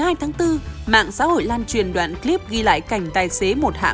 ngày một mươi hai tháng bốn mạng xã hội lan truyền đoạn clip ghi lại cảnh tài xế